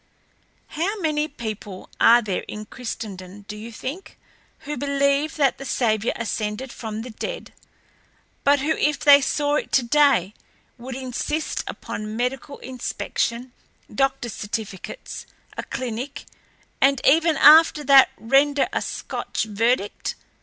"How many people are there in Christendom, do you think, who believe that the Saviour ascended from the dead, but who if they saw it today would insist upon medical inspection, doctor's certificates, a clinic, and even after that render a Scotch verdict?